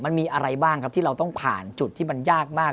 มันมีอะไรบ้างครับที่เราต้องผ่านจุดที่มันยากมาก